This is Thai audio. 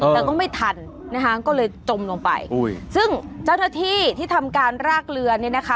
แต่ก็ไม่ทันนะคะก็เลยจมลงไปอุ้ยซึ่งเจ้าหน้าที่ที่ทำการรากเรือเนี่ยนะคะ